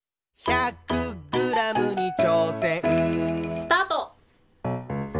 ・スタート！